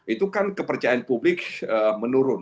itu kan kepercayaan publik menurun